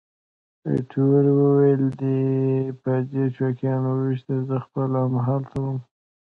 ایټور وویل: دی یې په چوکیانو وویشت، زه خپله همالته وم.